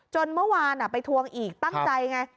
เมื่อวานไปทวงอีกตั้งใจไง